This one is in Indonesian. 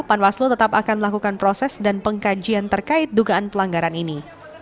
panwaslu tetap akan melakukan proses dan pengkajian terkait dugaan pelanggaran ini